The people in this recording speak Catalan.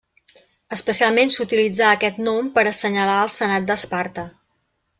Especialment s'utilitzà aquest nom per assenyalar al senat d'Esparta.